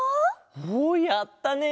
おやったね！